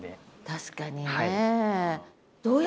確かに。